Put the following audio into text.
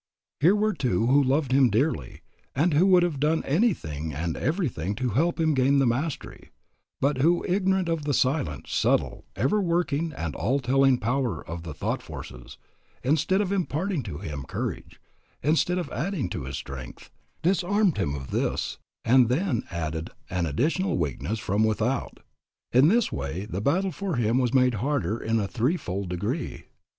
Here were two who loved him dearly, and who would have done anything and everything to help him gain the mastery, but who, ignorant of the silent, subtle, ever working and all telling power of the thought forces, instead of imparting to him courage, instead of adding to his strength, disarmed him of this, and then added an additional weakness from without. In this way the battle for him was made harder in a three fold degree.